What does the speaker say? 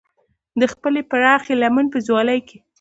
د خپلې پراخې لمن په ځولۍ کې.